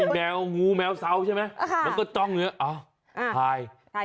แมวยูแมวเศร้าเช่ามั้ย